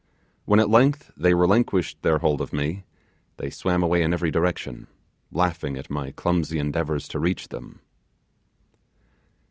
When at length they relinquished their hold of me, they swam away in every direction, laughing at my clumsy endeavours to reach them.